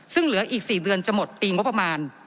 ซึ่งเหลืออีก๔เดือนจะหมดปีงบประมาณ